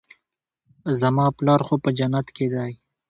زما پلار خو په جنت کښې دى.